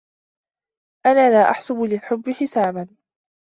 أنا لا أحسب للحبّ حسابا.